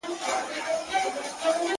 هغه چي تږې سي اوبه په پټو سترگو څيښي